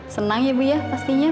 senang ya bu ya pastinya